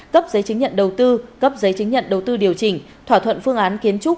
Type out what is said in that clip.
cấp giấy chứng nhận đầu tư cấp giấy chứng nhận đầu tư điều chỉnh thỏa thuận phương án kiến trúc